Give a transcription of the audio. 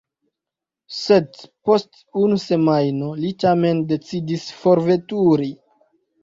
Sed post unu semajno li tamen decidis forveturi.